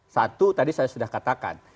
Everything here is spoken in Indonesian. satu tadi saya sudah katakan